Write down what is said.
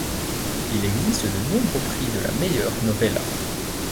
Il existe de nombreux prix de la meilleure novella.